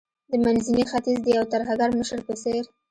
د منځني ختیځ د یو ترهګر مشر په څیر